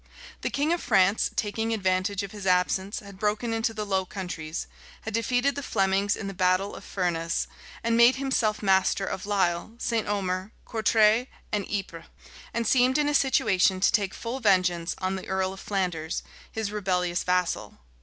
The king of France, taking advantage of his absence, had broken into the Low Countries; had defeated the Flemings in the battle of Furnes; had made himself master of Lisle, St. Omer, Courtrai, and Ypres; and seemed in a situation to take full vengeance on the earl of Flanders, his rebellious vassal.